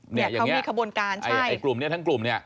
เขามีขบวนการใช่เขาวางแผนร่วมกันไอ้กลุ่มนี้ทั้งกลุ่มนี้